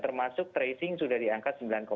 termasuk tracing sudah di angka sembilan